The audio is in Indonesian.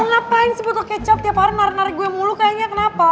lu ngapain sih botol kecap tiap hari narik narik gue mulu kayaknya kenapa